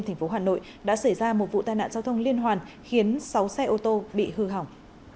tp hcm đã xảy ra một vụ tai nạn giao thông liên hoàn khiến sáu xe ô tô bị hư hỏng